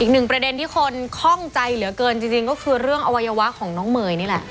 อีกหนึ่งประเด็นที่คนคล่องใจเหลือเกินจริงก็คือเรื่องอวัยวะของน้องเมย์นี่แหละ